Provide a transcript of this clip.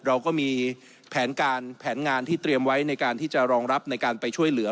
เราก็มีแผนการแผนงานที่เตรียมไว้ในการที่จะรองรับในการไปช่วยเหลือ